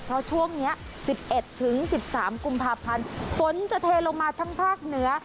เพราะช่วงเนี้ยสิบเอ็ดถึงสิบสามกุมภาพพันธ์ฝนจะเทลงมาทั้งภาคเหนือ